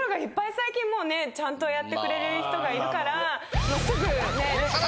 最近もうねちゃんとやってくれる人がいるから。